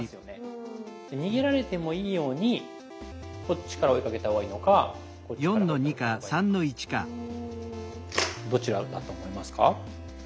逃げられてもいいようにこっちから追いかけた方がいいのかこっちから追いかけた方がいいのかどちらだと思いますか？